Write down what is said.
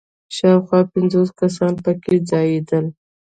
شاوخوا پنځوس کسان په کې ځایېدل.